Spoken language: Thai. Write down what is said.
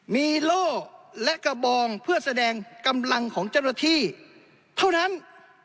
มีโล่และกระบองเพื่อแสดงกำลังของเจ้าหน้าที่เท่านั้น